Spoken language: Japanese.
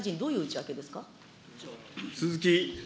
大臣、どういう内訳ですか。